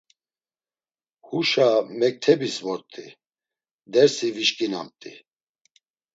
Huşa mektebis vort̆i, dersi vişǩinamt̆i.